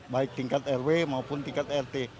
baik tingkat rw maupun tingkat rt